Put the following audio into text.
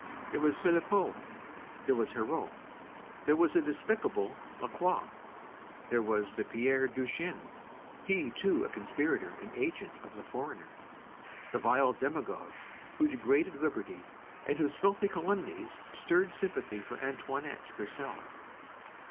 There was Philippeaux, there was Hérault, there was the despicable Lacroix. There was the Père Duchesne, he, too, a conspirator and agent of the foreigner, the vile demagogue who degraded liberty, and whose filthy calumnies stirred sympathy for Antoinette herself.